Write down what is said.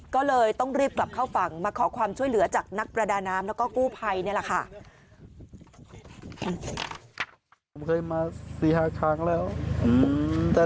ก็เลยต้องรีบกลับเข้าฝั่งมาขอความช่วยเหลือจากนักประดาน้ำแล้วก็กู้ภัยนี่แหละค่ะ